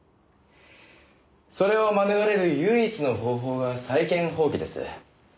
それを免れる唯一の方法が債権放棄です。